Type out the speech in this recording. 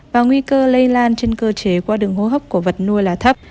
và nguy cơ lây lan trên cơ chế qua đường hô hấp của vật nuôi là thấp